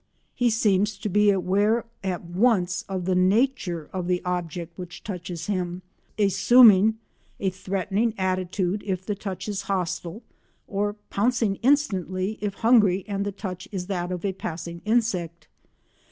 He seems to be aware at once of the nature of the object which touches him, assuming a threatening attitude if the touch is hostile, or pouncing instantly if hungry and the touch is that of a passing insect.